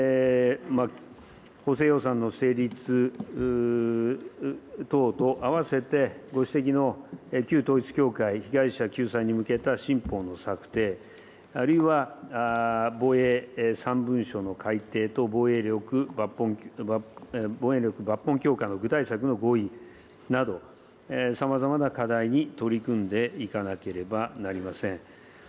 補正予算の成立等とあわせて、ご指摘の旧統一教会被害者救済に向けた新法の策定、あるいは防衛３文書の改定等、防衛力抜本強化の具体策の合意など、さまざまな課題に取り組んでいかなければなりません。